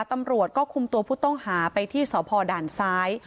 ตำรวจก็คุมตัวผู้ต้องหาไปที่สพด่านซ้าย